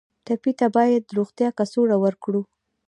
ټپي ته باید روغتیایي کڅوړه ورکړو.